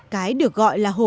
cái được gọi là bơ